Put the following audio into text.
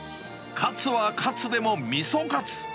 カツはカツでもミソカツ。